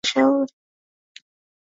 Wamewashauri raia wake kuchukua tahadhari